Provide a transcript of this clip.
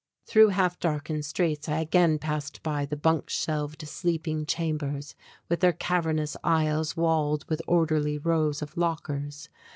Through half darkened streets, I again passed by the bunk shelved sleeping chambers with their cavernous aisles walled with orderly rows of lockers.